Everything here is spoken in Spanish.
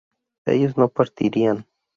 ellos no partirían